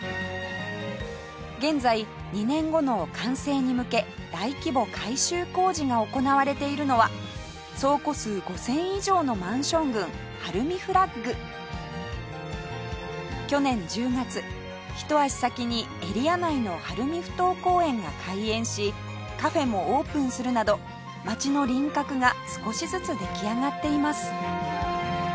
現在２年後の完成に向け大規模改修工事が行われているのは総戸数５０００以上のマンション群晴海フラッグ去年１０月ひと足先にエリア内の晴海ふ頭公園が開園しカフェもオープンするなど街の輪郭が少しずつ出来上がっています